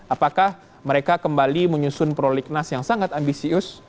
apakah mereka kembali menyusun prolignas yang sangat ambisius